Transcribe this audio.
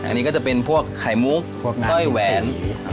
อันนี้ก็จะเป็นพวกไข่มุกสร้อยแหวน